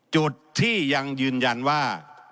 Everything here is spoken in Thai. จุดที่ยังยืนยันว่า